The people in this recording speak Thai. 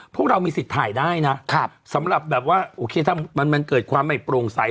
พวกเรามีสิทธิ์ถ่ายได้นะสำหรับแบบว่าโอเคถ้ามันเกิดความไม่โปร่งใส